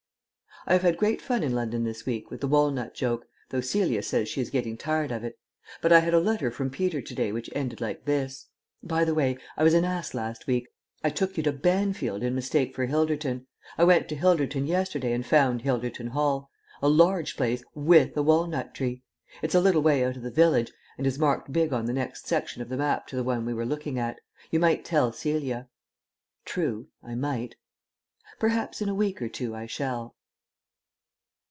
..... I have had great fun in London this week with the walnut joke, though Celia says she is getting tired of it. But I had a letter from Peter to day which ended like this: "By the way, I was an ass last week. I took you to Banfield in mistake for Hilderton. I went to Hilderton yesterday and found Hilderton Hall a large place with a walnut tree. It's a little way out of the village, and is marked big on the next section of the map to the one we were looking at. You might tell Celia." True, I might.... Perhaps in a week or two I shall.